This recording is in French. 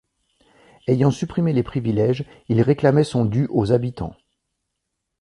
Ayant supprimé les privilèges, il réclamait son dû aux habitants.